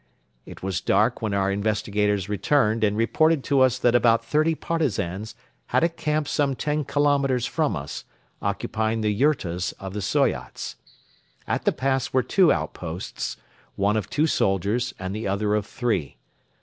It was dark when our investigators returned and reported to us that about thirty Partisans had a camp some ten kilometers from us, occupying the yurtas of the Soyots. At the pass were two outposts, one of two soldiers and the other of three.